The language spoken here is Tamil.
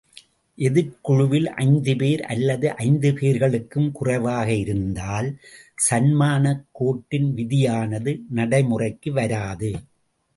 எதிர்க்குழுவில் ஐந்து பேர் அல்லது ஐந்து பேர்களுக்கும் குறைவாக இருந்தால், சன்மானக் கோட்டின் விதியானது, நடைமுறைக்கு வராது.